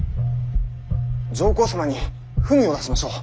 上皇様に文を出しましょう。